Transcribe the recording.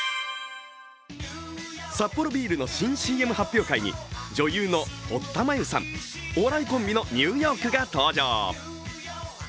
サッポロビールの新ＣＭ発表会に女優の堀田真由さん、お笑いコンビのニューヨークが登場。